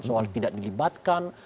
soal tidak dilibatkan